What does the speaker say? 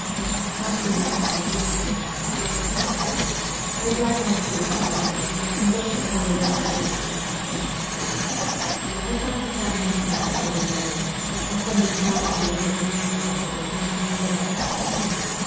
Absolute silence reigned all round. I dragged my stool to the window and looked upon the little bit of sky that I could see ; I tried to catch some sound from the Neva, or from the town on the opposite side of the river; but I could not.